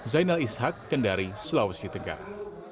zainal ishak kendari sulawesi tenggara